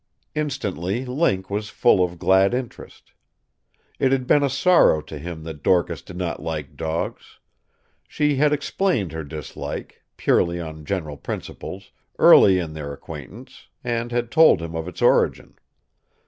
Instantly Link was full of glad interest. It had been a sorrow to him that Dorcas did not like dogs. She had explained her dislike purely on general principles early in their acquaintance, and had told him of its origin.